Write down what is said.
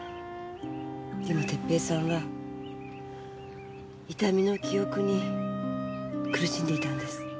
でも哲平さんは痛みの記憶に苦しんでいたんです。